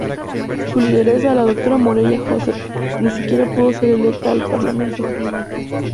Su lideresa, la doctora Morella Joseph, ni siquiera pudo ser electa al Parlamento.